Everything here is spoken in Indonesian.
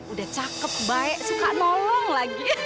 udah cakep baik suka nolong lagi